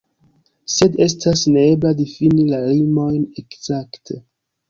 Sed estas neebla difini la limojn ekzakte.